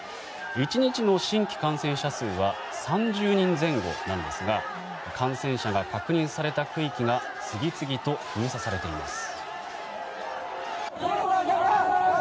１日の新規感染者数は３０人前後なんですが感染者が確認された区域が次々と封鎖されています。